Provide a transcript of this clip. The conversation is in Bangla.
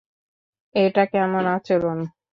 এটা কেমন আচরণ?